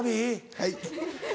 はい。